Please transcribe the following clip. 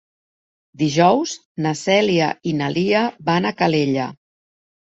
Dijous na Cèlia i na Lia van a Calella.